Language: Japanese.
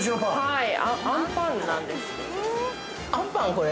◆はい。